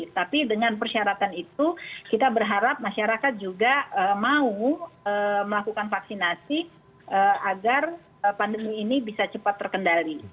tapi dengan persyaratan itu kita berharap masyarakat juga mau melakukan vaksinasi agar pandemi ini bisa cepat terkendali